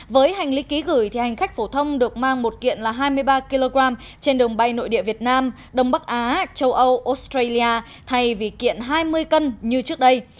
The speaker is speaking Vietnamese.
với hành lý ký gửi hành khách phổ thông được mang một kiện là hai mươi ba kg trên đường bay nội địa việt nam đông bắc á châu âu australia thay vì kiện hai mươi cân như trước đây